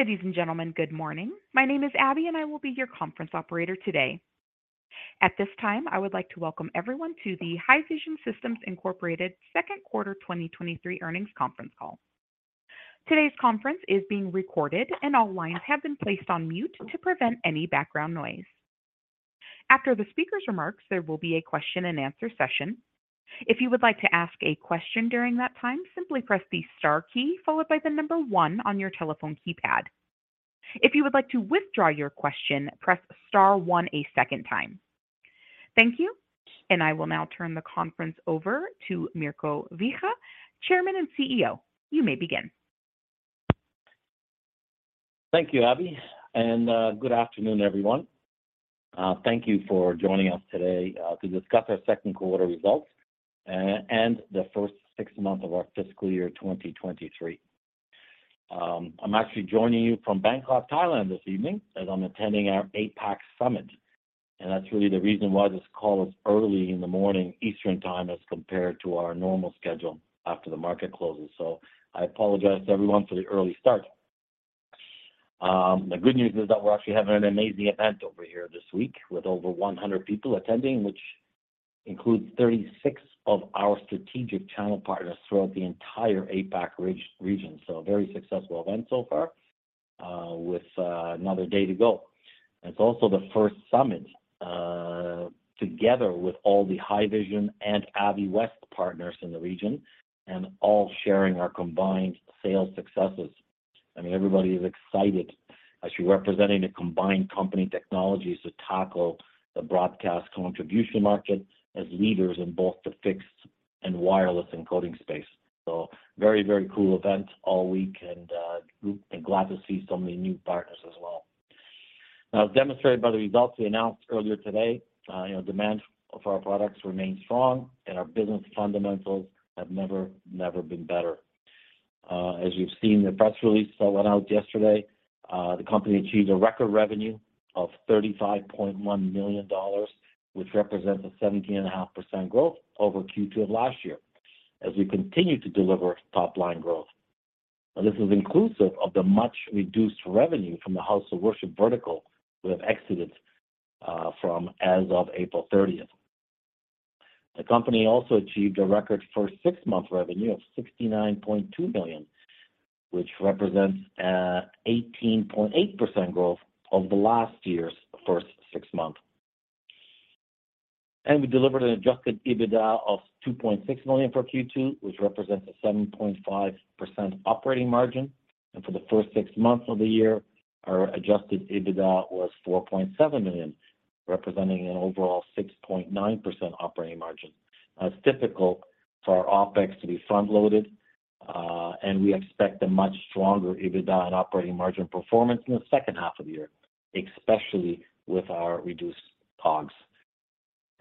Ladies and gentlemen, good morning. My name is Abby. I will be your conference operator today. At this time, I would like to welcome everyone to the Haivision Systems Inc second quarter 2023 earnings conference call. Today's conference is being recorded. All lines have been placed on mute to prevent any background noise. After the speaker's remarks, there will be a question-and-answer session. If you would like to ask a question during that time, simply press the star key followed by the number one on your telephone keypad. If you would like to withdraw your question, press star one a second time. Thank you. I will now turn the conference over to Mirko Wicha, Chairman and CEO. You may begin. Thank you, Abby. Good afternoon, everyone. Thank you for joining us today to discuss our second quarter results and the first six months of our fiscal year 2023. I'm actually joining you from Bangkok, Thailand, this evening, as I'm attending our APAC Summit, and that's really the reason why this call is early in the morning, Eastern Time, as compared to our normal schedule after the market closes. I apologize to everyone for the early start. The good news is that we're actually having an amazing event over here this week, with over 100 people attending, which includes 36 of our strategic channel partners throughout the entire APAC region. A very successful event so far, with another day to go. It's also the first summit, together with all the Haivision and Aviwest partners in the region, and all sharing our combined sales successes. I mean, everybody is excited, as we're representing a combined company technologies to tackle the broadcast contribution market as leaders in both the fixed and wireless encoding space. Very, very cool event all week and glad to see so many new partners as well. Now, as demonstrated by the results we announced earlier today, you know, demand of our products remains strong, and our business fundamentals have never been better. As you've seen, the press release that went out yesterday, the company achieved a record revenue of $35.1 million, which represents a 17.5% growth over Q2 of last year, as we continue to deliver top-line growth. This is inclusive of the much-reduced revenue from the House of Worship vertical, with exits from as of April 30th. The company also achieved a record for six month's revenue of $69.2 million, which represents 18.8% growth over last year's first six months. We delivered an Adjusted EBITDA of $2.6 million for Q2, which represents a 7.5% operating margin, and for the first six months of the year, our Adjusted EBITDA was $4.7 million, representing an overall 6.9% operating margin. It's difficult for our OpEx to be front-loaded, and we expect a much stronger EBITDA and operating margin performance in the second half of the year, especially with our reduced COGS.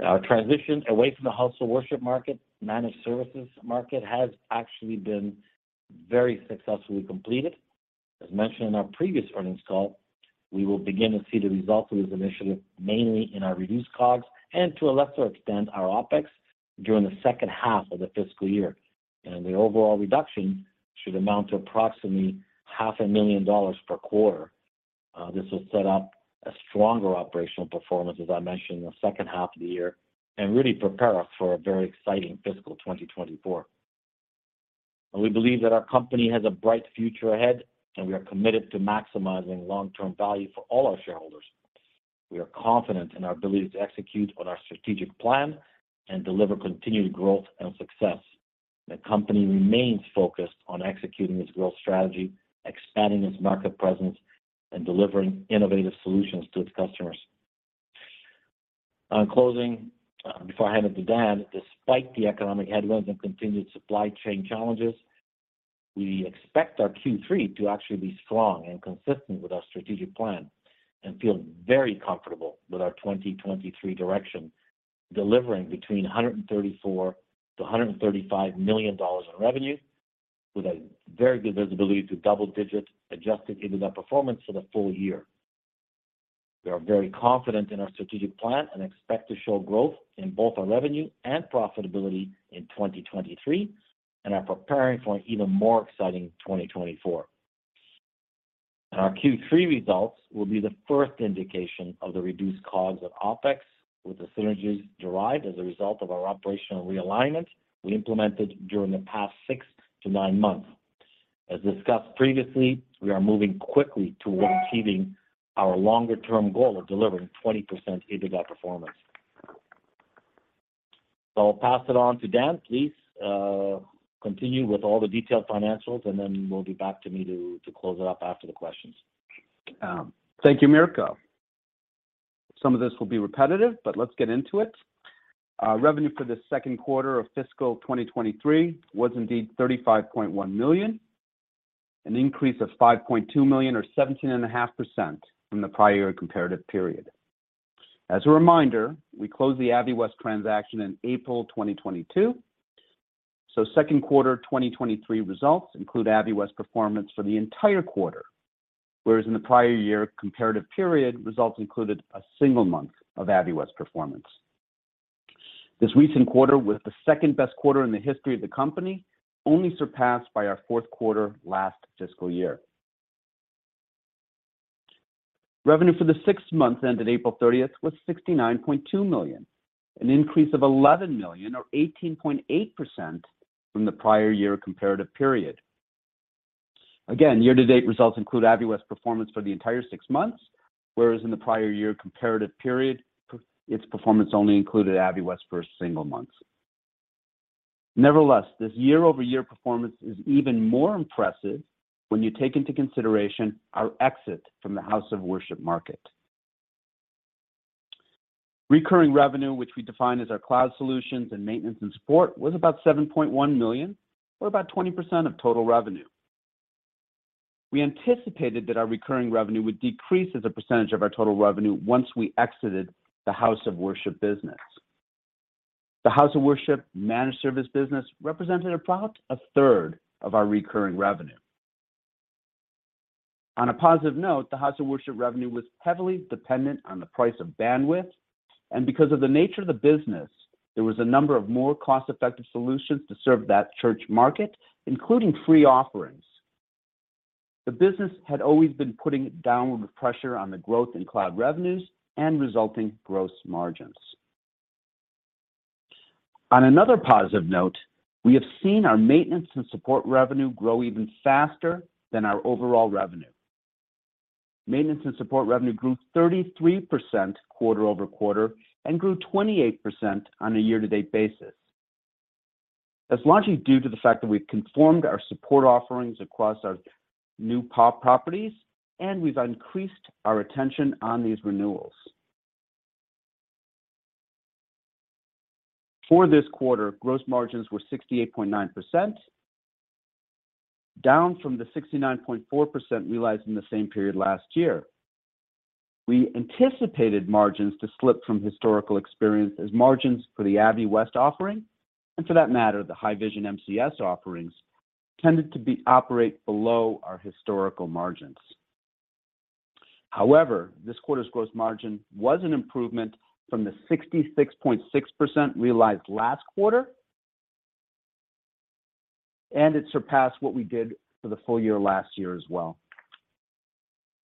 Our transition away from the House of Worship market, Managed Services market, has actually been very successfully completed. As mentioned in our previous earnings call, we will begin to see the results of this initiative, mainly in our reduced COGS and, to a lesser extent, our OpEx during the second half of the fiscal year. The overall reduction should amount to approximately half a million dollars per quarter. This will set up a stronger operational performance, as I mentioned, in the second half of the year, and really prepare us for a very exciting fiscal 2024. We believe that our company has a bright future ahead, and we are committed to maximizing long-term value for all our shareholders. We are confident in our ability to execute on our strategic plan and deliver continued growth and success. The company remains focused on executing its growth strategy, expanding its market presence, and delivering innovative solutions to its customers. On closing, before I hand it to Dan, despite the economic headwinds and continued supply chain challenges, we expect our Q3 to actually be strong and consistent with our strategic plan and feel very comfortable with our 2023 direction, delivering between $134 million–$135 million in revenue, with a very good visibility to double digits, Adjusted into that performance for the full year. We are very confident in our strategic plan and expect to show growth in both our revenue and profitability in 2023, and are preparing for an even more exciting 2024. Our Q3 results will be the first indication of the reduced COGS of OpEx, with the synergies derived as a result of our operational realignment we implemented during the past six to nine months. As discussed previously, we are moving quickly towards achieving our longer-term goal of delivering 20% EBITDA performance. I'll pass it on to Dan. Please continue with all the detailed financials, and then we'll be back to me to close it up after the questions. Thank you, Mirko. Some of this will be repetitive, but let's get into it. Revenue for the second quarter of fiscal 2023 was indeed $35.1 million, an increase of $5.2 million, or 17.5% from the prior comparative period. As a reminder, we closed the Aviwest transaction in April 2022, so second quarter 2023 results include Aviwest's performance for the entire quarter, whereas in the prior year, comparative period results included a single month of Aviwest's performance. This recent quarter was the second-best quarter in the history of the company, only surpassed by our fourth quarter last fiscal year. Revenue for the six months ended April 30th was $69.2 million, an increase of $11 million or 18.8% from the prior year comparative period. Again, year-to-date results include Aviwest's performance for the entire six months, whereas in the prior year comparative period, its performance only included Aviwest's first single months. Nevertheless, this year-over-year performance is even more impressive when you take into consideration our exit from the House of Worship market. Recurring revenue, which we define as our cloud solutions and maintenance and support, was about $7.1 million, or about 20% of total revenue. We anticipated that our recurring revenue would decrease as a percentage of its total revenue once we exited the House of Worship business. The House of Worship managed service business represented about a third of our recurring revenue. On a positive note, the House of Worship revenue was heavily dependent on the price of bandwidth, and because of the nature of the business, there was a number of more cost-effective solutions to serve that church market, including free offerings. The business had always been putting downward pressure on the growth in cloud revenues and resulting gross margins. On another positive note, we have seen our maintenance and support revenue grow even faster than our overall revenue. Maintenance and support revenue grew 33% quarter-over-quarter and grew 28% on a year-to-date basis. That's largely due to the fact that we've conformed our support offerings across our new acquired properties, and we've increased our attention on these renewals. For this quarter, gross margins were 68.9%, down from the 69.4% realized in the same period last year. We anticipated margins to slip from historical experience as margins for the Aviwest offering, and for that matter, the Haivision MCS offerings, tended to be operate below our historical margins. However, this quarter's gross margin was an improvement from the 66.6% realized last quarter, and it surpassed what we did for the full year last year as well.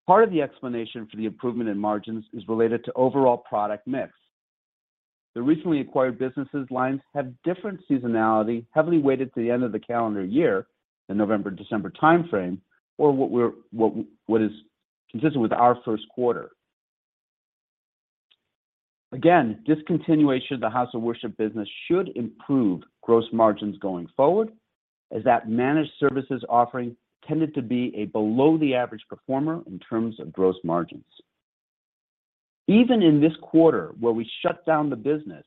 Part of the explanation for the improvement in margins is related to overall product mix. The recently acquired businesses lines have different seasonality, heavily weighted to the end of the calendar year, in November, December timeframe, or what is consistent with our first quarter. Discontinuation of the House of Worship business should improve gross margins going forward, as that managed services offering tended to be a below-the-average performer in terms of gross margins. Even in this quarter, where we shut down the business,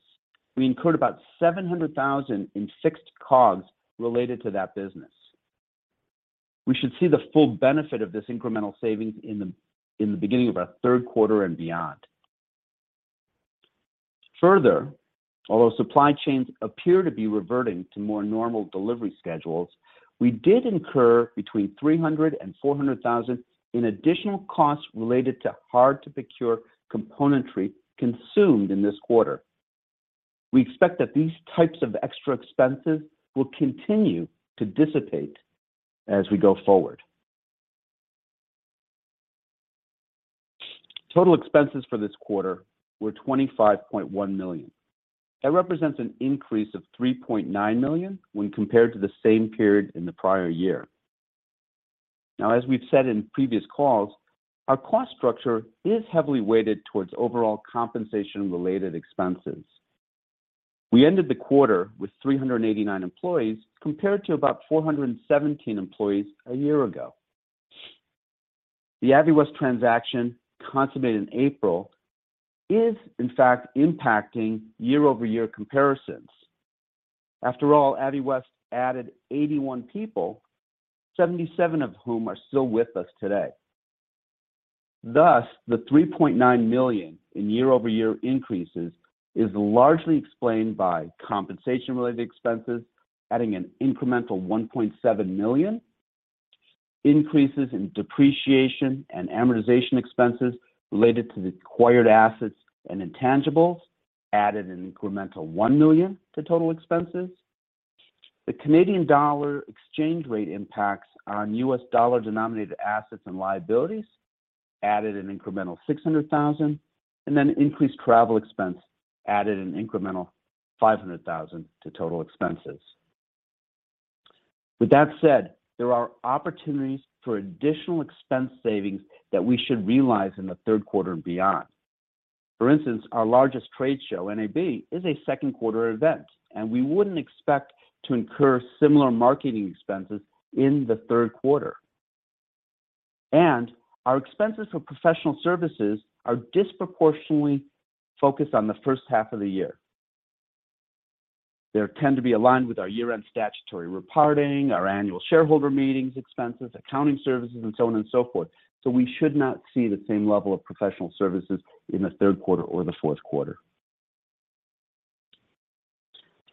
we incurred about $700,000 in fixed COGS related to that business. We should see the full benefit of this incremental savings in the, in the beginning of our third quarter and beyond. Although supply chains appear to be reverting to more normal delivery schedules, we did incur between $300,000 and $400,000 in additional costs related to hard-to-procure componentry consumed in this quarter. We expect that these types of extra expenses will continue to dissipate as we go forward. Total expenses for this quarter were $25.1 million. That represents an increase of $3.9 million when compared to the same period in the prior year. As we've said in previous calls, our cost structure is heavily weighted towards overall compensation-related expenses. We ended the quarter with 389 employees, compared to about 417 employees a year ago. The Aviwest transaction, consummated in April, is, in fact, impacting year-over-year comparisons. After all, Aviwest added 81 people, 77 of whom are still with us today. The $3.9 million in year-over-year increases is largely explained by compensation-related expenses, adding an incremental $1.7 million. Increases in depreciation and amortization expenses related to the acquired assets and intangibles added an incremental $1 million to total expenses. The Canadian dollar exchange rate impacts on US dollar-denominated assets and liabilities added an incremental $600,000, and then increased travel expense added an incremental $500,000 to total expenses. With that said, there are opportunities for additional expense savings that we should realize in the third quarter and beyond. For instance, our largest trade show, NAB, is a second quarter event, and we wouldn't expect to incur similar marketing expenses in the third quarter. Our expenses for professional services are disproportionately focused on the first half of the year. They tend to be aligned with our year-end statutory reporting, our annual shareholder meetings expenses, accounting services, and so on and so forth. We should not see the same level of professional services in the third quarter or the fourth quarter.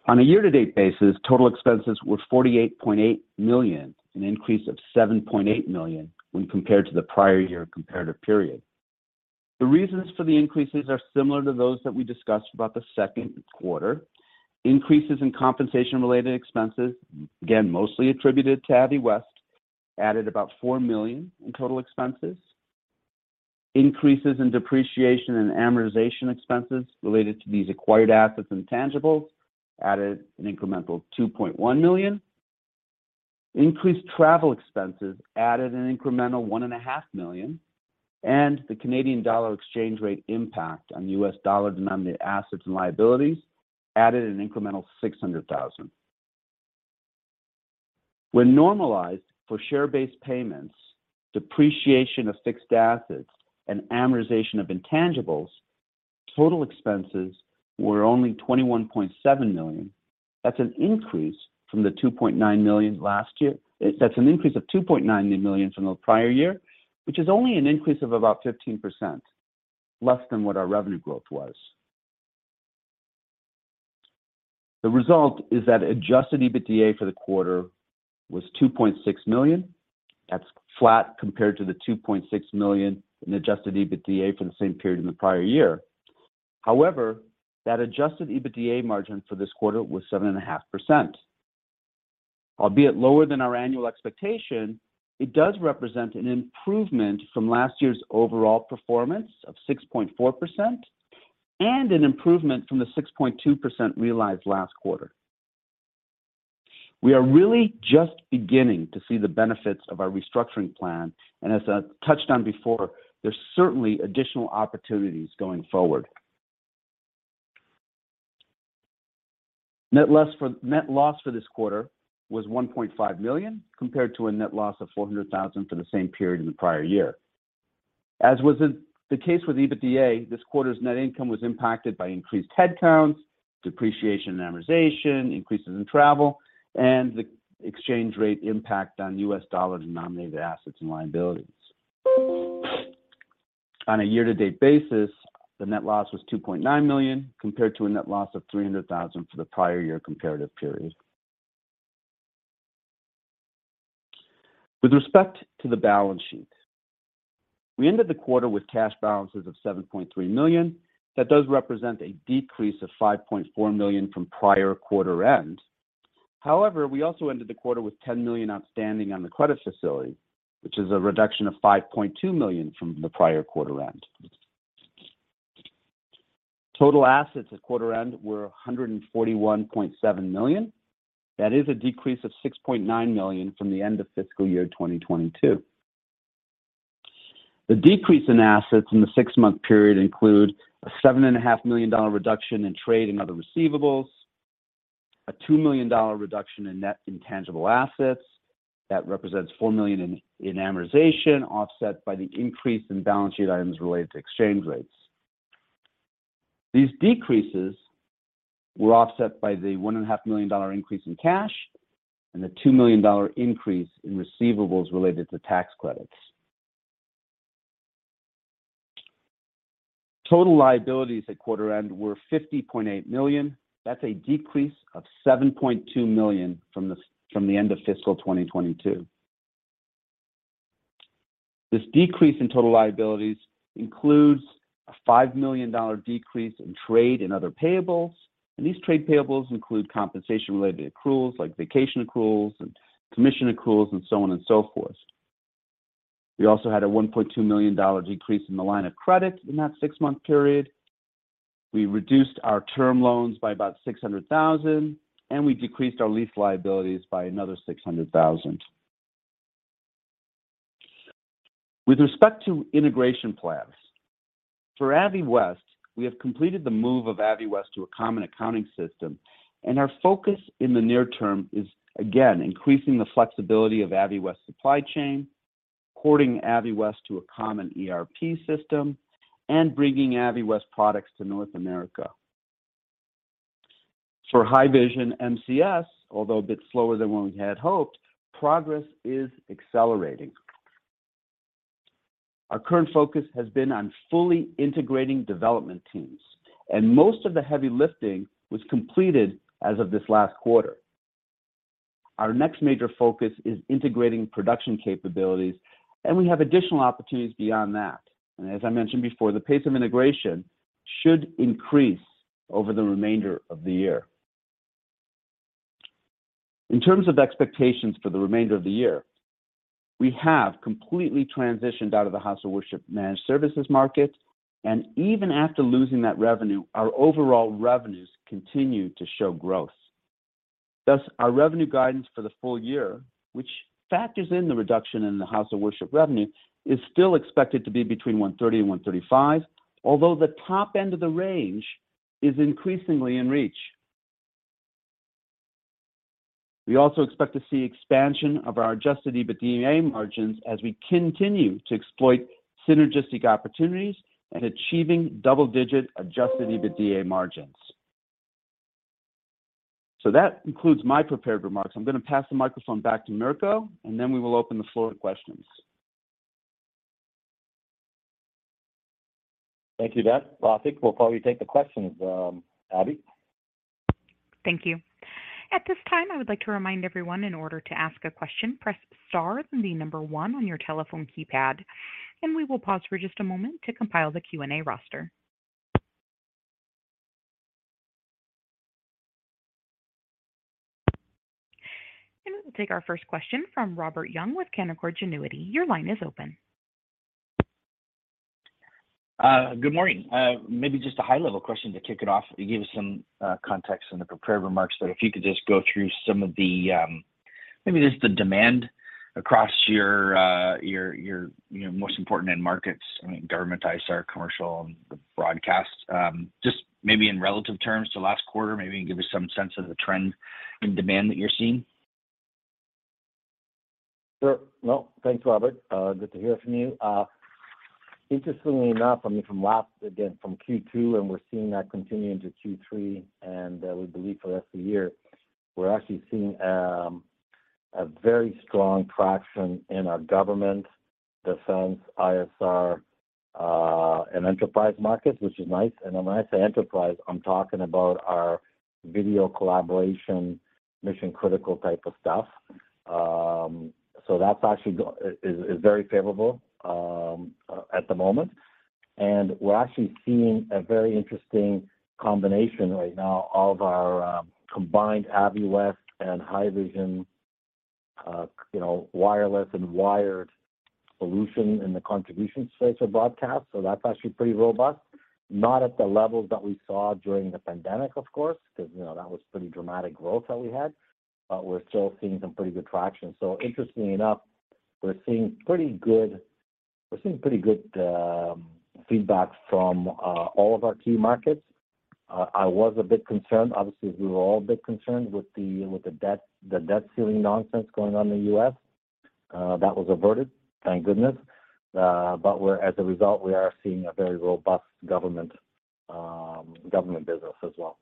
On a year-to-date basis, total expenses were $48.8 million, an increase of $7.8 million when compared to the prior year comparative period. The reasons for the increases are similar to those that we discussed about the second quarter. Increases in compensation-related expenses, again, mostly attributed to Aviwest, added about $4 million in total expenses. Increases in depreciation and amortization expenses related to these acquired assets and intangibles added an incremental $2.1 million. Increased travel expenses added an incremental one and a half million dollars, and the Canadian dollar exchange rate impact on US dollar-denominated assets and liabilities added an incremental $600,000. When normalized for share-based payments, depreciation of fixed assets, and amortization of intangibles, total expenses were only $21.7 million. That's an increase of $2.9 million from the prior year, which is only an increase of about 15%, less than what our revenue growth was. The result is that Adjusted EBITDA for the quarter was $2.6 million. That's flat compared to the $2.6 million in Adjusted EBITDA for the same period in the prior year. That Adjusted EBITDA margin for this quarter was 7.5%. Albeit lower than our annual expectation, it does represent an improvement from last year's overall performance of 6.4%, and an improvement from the 6.2% realized last quarter. We are really just beginning to see the benefits of our restructuring plan, and as I touched on before, there's certainly additional opportunities going forward. Net loss for this quarter was $1.5 million, compared to a net loss of $400,000 for the same period in the prior year. As was the case with EBITDA, this quarter's net income was impacted by increased headcounts, depreciation, and amortization, increases in travel, and the exchange rate impact on US dollar-denominated assets and liabilities. On a year-to-date basis, the net loss was $2.9 million, compared to a net loss of $300,000 for the prior year comparative period. With respect to the balance sheet, we ended the quarter with cash balances of $7.3 million. That does represent a decrease of $5.4 million from prior quarter end. However, we also ended the quarter with $10 million outstanding on the credit facility, which is a reduction of $5.2 million from the prior quarter end. Total assets at quarter end were $141.7 million. That is a decrease of $6.9 million from the end of fiscal year 2022. The decrease in assets in the six-month period include a $7.5 million reduction in trade and other receivables, a $2 million reduction in net intangible assets. That represents $4 million in amortization, offset by the increase in balance sheet items related to exchange rates. These decreases were offset by the $1.5 million increase in cash and a $2 million increase in receivables related to tax credits. Total liabilities at quarter end were $50.8 million. That's a decrease of $7.2 million from the end of fiscal 2022. This decrease in total liabilities includes a $5 million decrease in trade and other payables. These trade payables include compensation-related accruals like vacation accruals and commission accruals, and so on and so forth. We also had a $1.2 million decrease in the line of credit in that six-month period. We reduced our term loans by about $600,000. We decreased our lease liabilities by another $600,000. With respect to integration plans, for Aviwest, we have completed the move of Aviwest to a common accounting system. Our focus in the near term is, again, increasing the flexibility of Aviwest supply chain, porting Aviwest to a common ERP system, and bringing Aviwest products to North America. For Haivision MCS, although a bit slower than what we had hoped, progress is accelerating. Our current focus has been on fully integrating development teams, and most of the heavy lifting was completed as of this last quarter. Our next major focus is integrating production capabilities, and we have additional opportunities beyond that. As I mentioned before, the pace of integration should increase over the remainder of the year. In terms of expectations for the remainder of the year, we have completely transitioned out of the House of Worship Managed Services market, and even after losing that revenue, our overall revenues continue to show growth. Thus, our revenue guidance for the full year, which factors in the reduction in the House of Worship revenue, is still expected to be between $130 million and $135 million, although the top end of the range is increasingly in reach. We also expect to see expansion of our Adjusted EBITDA margins as we continue to exploit synergistic opportunities and achieving double-digit Adjusted EBITDA margins. That concludes my prepared remarks. I'm going to pass the microphone back to Mirko, and then we will open the floor to questions. Thank you, Dan. I think we'll probably take the questions, Abby? Thank you. At this time, I would like to remind everyone, in order to ask a question, press star, then the one on your telephone keypad, we will pause for just a moment to compile the Q&A roster. We'll take our first question from Robert Young with Canaccord Genuity. Your line is open. Good morning. Maybe just a high-level question to kick it off. You gave us some context in the prepared remarks, but if you could just go through some of the, maybe just the demand across your, you know, most important end markets, I mean, government, ISR, commercial, and the broadcast. Just maybe in relative terms to last quarter, maybe give us some sense of the trend in demand that you're seeing? Sure. Well, thanks, Robert. Good to hear from you. Interestingly enough, I mean, from last, again, from Q2, and we're seeing that continue into Q3, and we believe for the rest of the year, we're actually seeing a very strong traction in our government, defense, ISR, and enterprise markets, which is nice. When I say enterprise, I'm talking about our video collaboration, mission-critical type of stuff. So that's actually is very favorable at the moment. We're actually seeing a very interesting combination right now of our combined Aviwest and Haivision, you know, wireless and wired solution in the contribution space for broadcast, so that's actually pretty robust. Not at the levels that we saw during the pandemic, of course, 'cause, you know, that was pretty dramatic growth that we had, but we're still seeing some pretty good traction. Interestingly enough, we're seeing pretty good feedback from all of our key markets. I was a bit concerned, obviously, we were all a bit concerned with the debt ceiling nonsense going on in the U.S. That was averted, thank goodness. We're, as a result, we are seeing a very robust government business as well.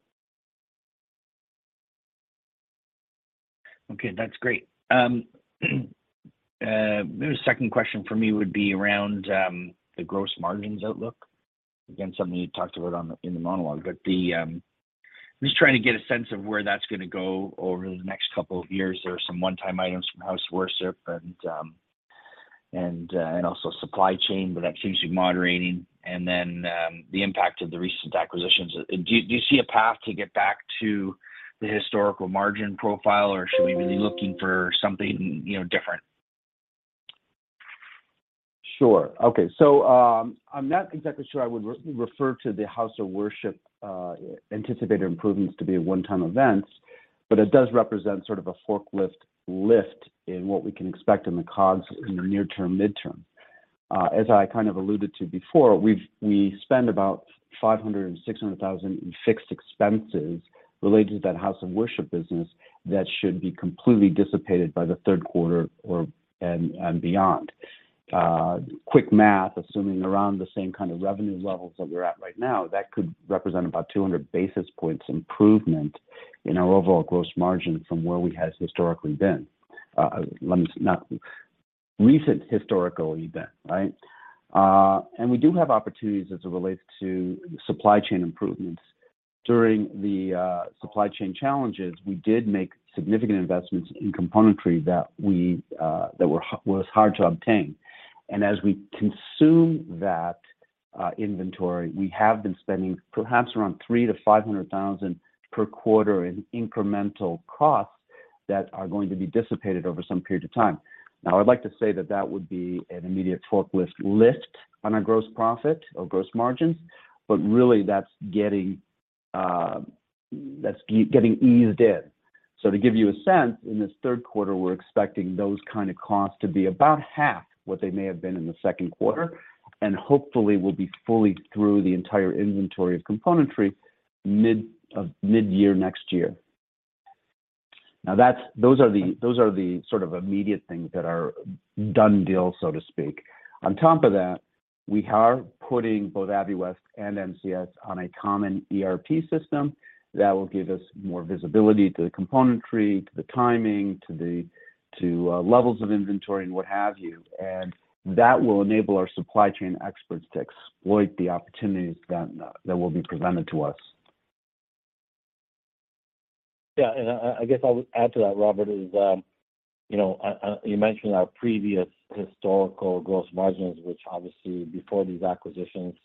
Okay, that's great. Maybe a second question for me would be around the gross margins outlook. Again, something you talked about on the, in the monologue. I'm just trying to get a sense of where that's gonna go over the next couple of years. There are some one-time items from House of Worship and and also supply chain, but that seems to be moderating, and then the impact of the recent acquisitions. Do you see a path to get back to the historical margin profile, or should we be looking for something, you know, different? Sure. Okay, I'm not exactly sure I would re-refer to the House of Worship anticipated improvements to be a one-time event, but it does represent sort of a forklift lift in what we can expect in the COGS in the near term, midterm. As I kind of alluded to before, we spend about $500,000–$600,000 in fixed expenses related to that House of Worship business that should be completely dissipated by the third quarter or, and beyond. Quick math, assuming around the same kind of revenue levels that we're at right now, that could represent about 200 basis points improvement in our overall gross margin from where we has historically been. Recent historical event, right? We do have opportunities as it relates to supply chain improvements. During the supply chain challenges, we did make significant investments in componentry that we, that was hard to obtain. And as we consume that inventory, we have been spending perhaps around $300,000-$500,000 per quarter in incremental costs that are going to be dissipated over some period of time. Now, I'd like to say that that would be an immediate forklift lift on our gross profit or gross margins, but really, that's getting, that's getting eased in. To give you a sense, in this third quarter, we're expecting those kind of costs to be about half what they may have been in the second quarter, and hopefully, we'll be fully through the entire inventory of componentry mid-year next year. Those are the sort of immediate things that are done deal, so to speak. On top of that, we are putting both Aviwest and MCS on a common ERP system that will give us more visibility to the componentry, to the timing, to the, to levels of inventory and what have you. That will enable our supply chain experts to exploit the opportunities that will be presented to us. I guess I would add to that, Robert, is, you know, you mentioned our previous historical gross margins, which obviously, before these acquisitions,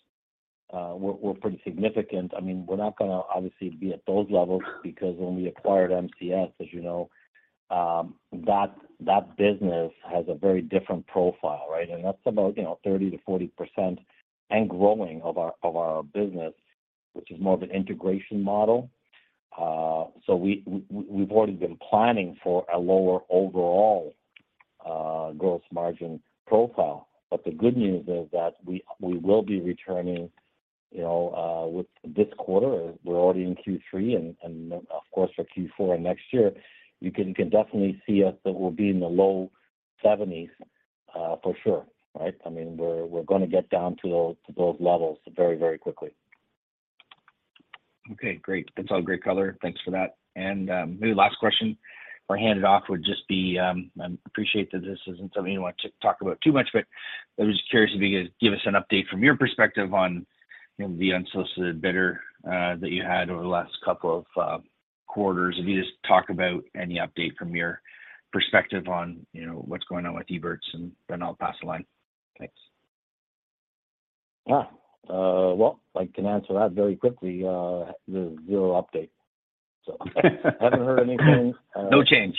were pretty significant. We're not gonna, obviously, be at those levels because when we acquired MCS, as you know, that business has a very different profile, right? That's about, you know, 30%–40% and growing of our business, which is more of an integration model. We've already been planning for a lower overall gross margin profile. The good news is that we will be returning, you know, with this quarter, we're already in Q3 and of course, for Q4 and next year, you can definitely see us that we'll be in the low 70s for sure, right? I mean, we're gonna get down to those levels very, very quickly. Okay, great. That's all great color. Thanks for that. Maybe last question, or hand it off would just be, I appreciate that this isn't something you want to talk about too much, but I was just curious if you could give us an update from your perspective on, you know, the unsolicited bidder, that you had over the last couple of, quarters. If you just talk about any update from your perspective on, you know, what's going on with Evertz, and then I'll pass the line. Thanks. Yeah. well, I can answer that very quickly. there's zero update. I haven't heard anything. No change.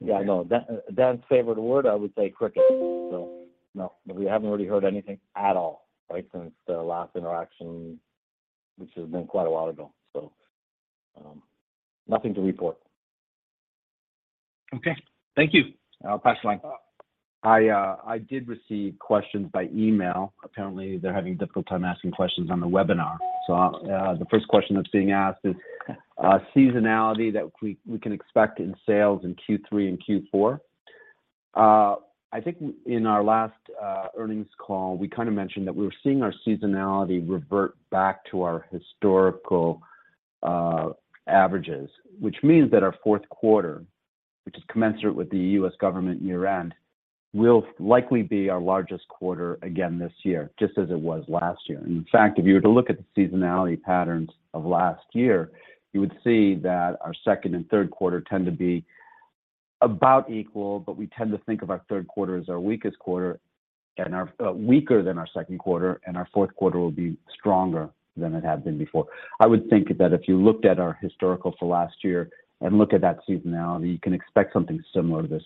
yeah, no. Dan's favorite word, I would say crickets. No, we haven't really heard anything at all, right? Since the last interaction, which has been quite a while ago, nothing to report. Okay. Thank you. I'll pass the line. I did receive questions by email. Apparently, they're having a difficult time asking questions on the webinar. The first question that's being asked is seasonality that we can expect in sales in Q3 and Q4. I think in our last earnings call, we kind of mentioned that we were seeing our seasonality revert back to our historical averages. Which means that our fourth quarter, which is commensurate with the U.S. government year-end, will likely be our largest quarter again this year, just as it was last year. In fact, if you were to look at the seasonality patterns of last year, you would see that our second and third quarter tend to be about equal, but we tend to think of our third quarter as our weakest quarter and weaker than our second quarter, and our fourth quarter will be stronger than it had been before. I would think that if you looked at our historical for last year and look at that seasonality, you can expect something similar this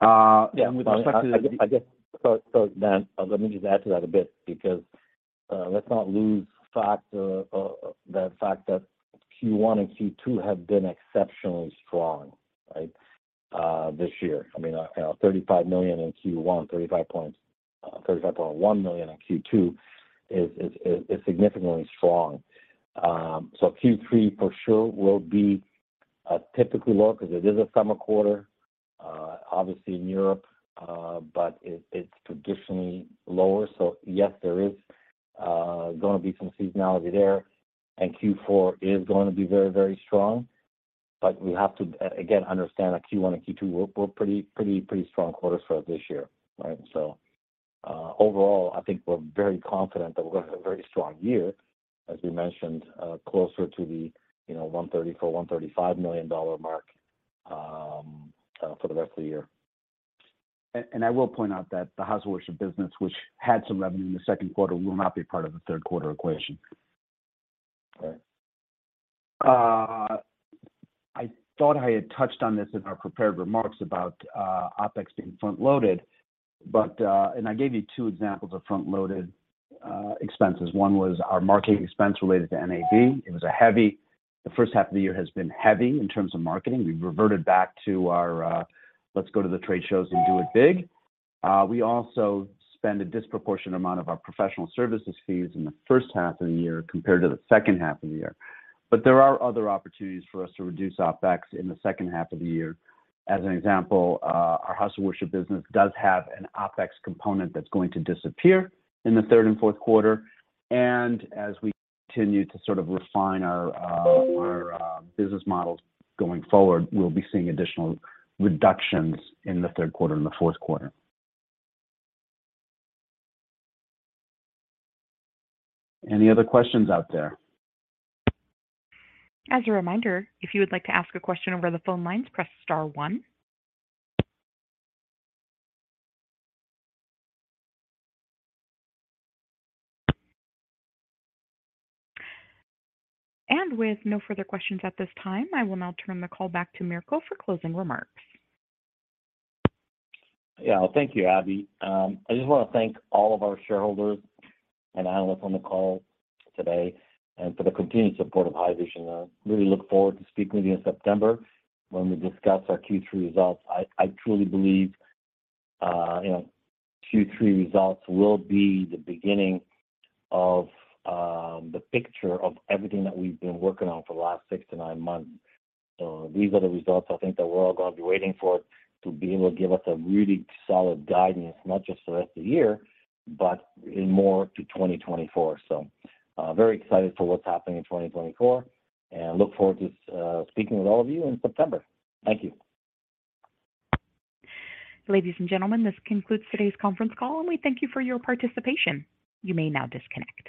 year. Yeah, with respect to the I guess, so, Dan, let me just add to that a bit, because, let’s not lose sight of the fact that Q1 and Q2 have been exceptionally strong, right? This year, I mean, you know, $35 million in Q1, $35.1 million in Q2 is significantly strong. Q3, for sure, will be typically low because it is a summer quarter, obviously in Europe, but it's traditionally lower. Yes, there is gonna be some seasonality there, and Q4 is gonna be very, very strong. We have to again, understand that Q1 and Q2 were pretty strong quarters for us this year, right? Overall, I think we're very confident that we're gonna have a very strong year, as we mentioned, closer to the, you know, $134 million–$135 million mark, for the rest of the year. I will point out that the House of Worship business, which had some revenue in the second quarter, will not be part of the third quarter equation. Right. I thought I had touched on this in our prepared remarks about OpEx being front-loaded. I gave you two examples of front-loaded expenses. One was our marketing expense related to NAB. The first half of the year has been heavy in terms of marketing. We've reverted back to our, let's go to the trade shows and do it big. We also spend a disproportionate amount of our professional services fees in the first half of the year compared to the second half of the year. There are other opportunities for us to reduce OpEx in the second half of the year. As an example, our House of Worship business does have an OpEx component that's going to disappear in the third and fourth quarter. As we continue to sort of refine our business models going forward, we'll be seeing additional reductions in the third quarter and the fourth quarter. Any other questions out there? As a reminder, if you would like to ask a question over the phone lines, press star star. With no further questions at this time, I will now turn the call back to Mirko for closing remarks. Yeah. Thank you, Abby. I just want to thank all of our shareholders and analysts on the call today, and for the continued support of Haivision. I really look forward to speaking with you in September when we discuss our Q3 results. I truly believe, you know, Q3 results will be the beginning of the picture of everything that we've been working on for the last six to nine months. These are the results I think that we're all gonna be waiting for, to be able to give us a really solid guidance, not just for the rest of the year, but in more to 2024. Very excited for what's happening in 2024, and look forward to speaking with all of you in September. Thank you. Ladies and gentlemen, this concludes today's conference call, and we thank you for your participation. You may now disconnect.